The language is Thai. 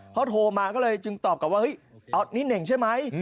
เขาโทรมาก็เลยจึงตอบกลับว่าเฮ้ยนี่เน่งใช่ไหม